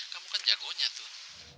kamu kan jagonya tuh